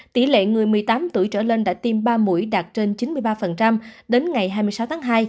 tỷ lệ người một mươi tám tuổi trở lên đã tiêm ba mũi đạt trên chín mươi ba đến ngày hai mươi sáu tháng hai